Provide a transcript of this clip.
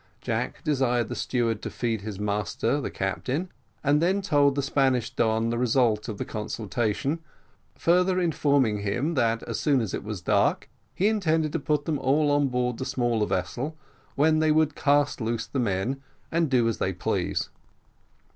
Jack desired the steward to feed his master the captain, and then told the Spanish Don the result of the consultation; further informing him, that as soon as it was dark, he intended to put them all on board the small vessel, when they could cast loose the men and do as they pleased.